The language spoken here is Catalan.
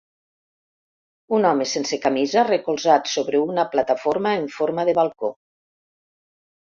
un home sense camisa recolzat sobre una plataforma en forma de balcó.